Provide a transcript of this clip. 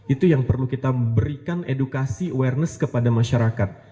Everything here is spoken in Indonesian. itu yang perlu kita berikan edukasi awareness kepada masyarakat